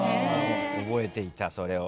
覚えていたそれを。